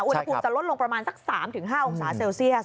อุณหภูมิจะลดลงประมาณสัก๓๕องศาเซลเซียส